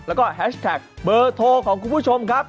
แล้วก็แฮชแท็กเบอร์โทรของคุณผู้ชมครับ